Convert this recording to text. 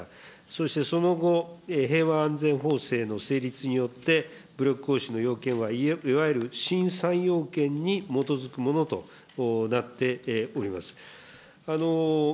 そしてその後、平和安全法制の成立によって、武力行使の要件はいわゆる新３要件に基づくものとなっております。